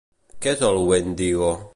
Què és el Wendigo?